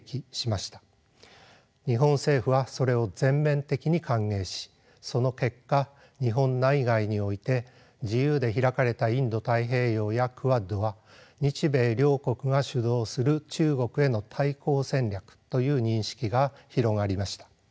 日本政府はそれを全面的に歓迎しその結果日本内外において「自由で開かれたインド太平洋」やクアッドは日米両国が主導する中国への対抗戦略という認識が広がりました。